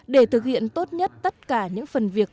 để thực hiện tốt nhất tất cả những phần việc